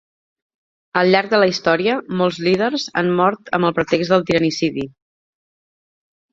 Al llarg de la història, molts líders han mort amb el pretext del tiranicidi.